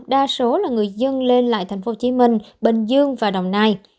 đa số là người dân lên lại thành phố hồ chí minh bình dương và đồng nai